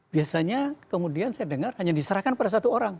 biasanya kemudian saya dengar hanya diserahkan pada satu orang